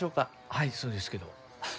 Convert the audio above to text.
はいそうですけど。